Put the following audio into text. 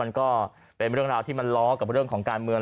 ก็เป็นเรื่องราวที่มันล้อกับเรื่องของการเมือง